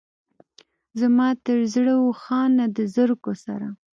زما تر زړه و خانه د زرګو سره.